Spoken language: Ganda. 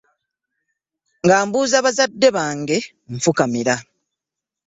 Nga mbuuza bazadde bange nfukamira.